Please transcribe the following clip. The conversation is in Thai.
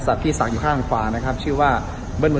ถูกครับ